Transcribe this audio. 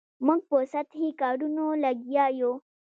موږ په سطحي کارونو لګیا یو.